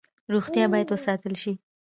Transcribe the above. روغتیا باید وساتل شي